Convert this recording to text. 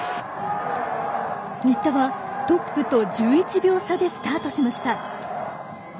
新田はトップと１１秒差でスタートしました。